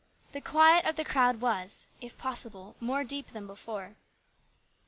The quiet of the crowd was, if possible, more deep than before.